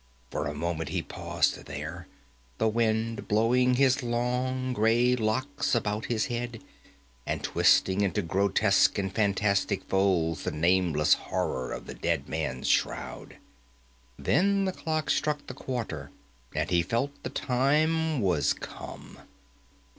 For a moment he paused there, the wind blowing his long grey locks about his head, and twisting into grotesque and fantastic folds the nameless horror of the dead man's shroud. Then the clock struck the quarter, and he felt the time was come.